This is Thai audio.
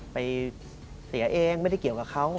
ไปเสียเองไม่ได้เกี่ยวกับเขา